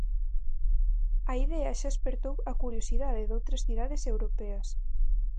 A idea xa espertou a curiosidade doutras cidades europeas.